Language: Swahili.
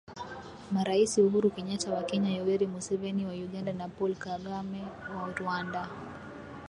Maraisi Uhuru Kenyata wa Kenya Yoweri Museveni wa Uganda na Paul Kagame wa Rwanda